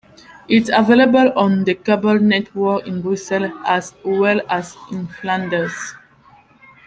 It is available on the cable network in Brussels as well as in Flanders.